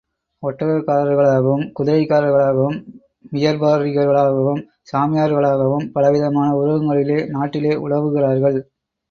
ஒட்டகக்காரர்களாகவும், குதிரைக்காரர்களாகவும், வியர்பாரிகளாகவும், சாமியார்களாகவும் பலவிதமான உருவங்களிலே நாட்டிலே உலவுகிறார்கள்.